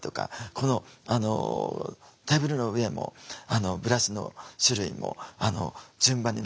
このテーブルの上もブラシの種類も順番に並んでいくわけですよ。